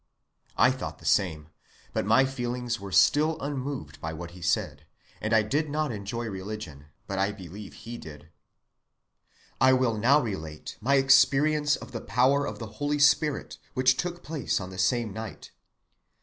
I thought the same; but my feelings were still unmoved by what he said, and I did not enjoy religion, but I believe he did. "I will now relate my experience of the power of the Holy Spirit which took place on the same night.